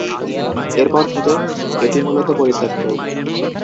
এরপর থেকে এটি মূলত পরিত্যক্ত।